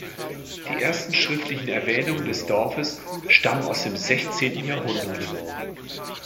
Die ersten schriftlichen Erwähnungen des Dorfes stammen aus dem sechzehnten Jahrhundert.